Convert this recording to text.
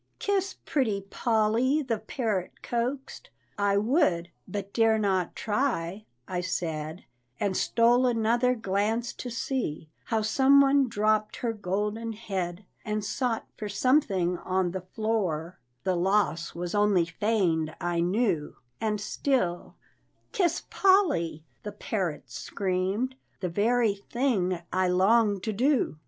"Kiss Pretty Poll," the parrot coaxed: "I would, but dare not try," I said, And stole another glance to see How some one drooped her golden head, And sought for something on the floor (The loss was only feigned, I knew) And still, "Kiss Poll," the parrot screamed, The very thing I longed to do.